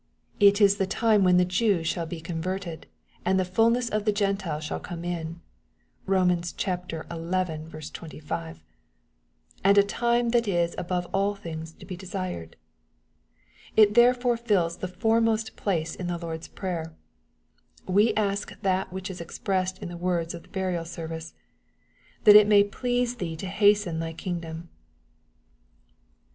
It is the time when the Jews shall be converted, and the fulness of the Gentiles shall come in, (Bom. xi 25,) and a time that is above all things to be desired. It therefore fills a foremost place in the Lord's prayer* We ask that which is expressed in the words of the Burial service, '^ that it may please thee to hasten thy kingdom.